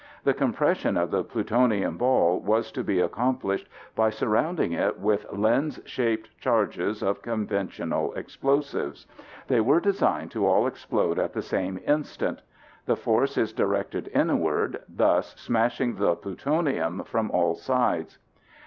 The compression of the plutonium ball was to be accomplished by surrounding it with lens shaped charges of conventional explosives. They were designed to all explode at the same instant. The force is directed inward, thus smashing the plutonium from all sides.